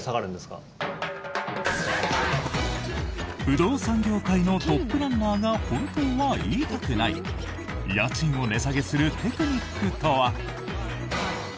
不動産業界のトップランナーが本当は言いたくない家賃を値下げするテクニックとは。